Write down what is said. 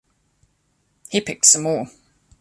He picked some more.